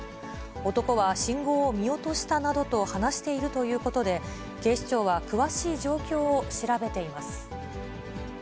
男は信号を見落としたなどと話しているということで、警視庁は詳しい状況を調べています。